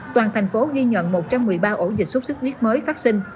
toàn thành phố ghi nhận một trăm một mươi ba ổ dịch sốt sức khuyết mới phát sinh